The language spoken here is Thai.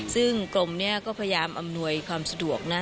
ซึ่งกรมนี้ก็พยายามอำนวยความสะดวกนะ